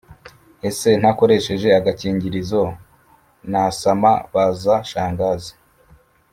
Ese ntakoresheje agakingirizo nasama-Baza Shangazi